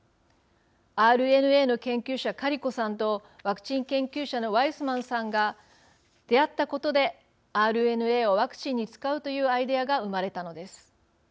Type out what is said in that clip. ＲＮＡの研究者、カリコさんとワクチン研究者のワイスマンさんが出会ったことでＲＮＡをワクチンに使うというアイデアが生まれたのです。